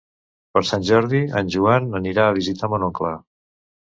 Per Sant Jordi en Joan anirà a visitar mon oncle.